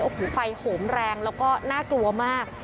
โอ้โหไฟโหมแรงแล้วก็น่ากลัวมาก